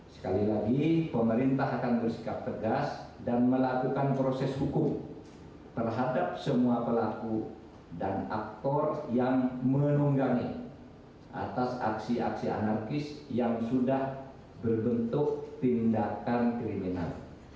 sekali lagi pemerintah akan bersikap tegas dan melakukan proses hukum terhadap semua pelaku dan aktor yang menunggangi atas aksi aksi anarkis yang sudah berbentuk tindakan kriminal